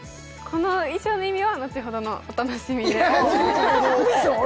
この衣装の意味は後ほどのお楽しみでいやいや違う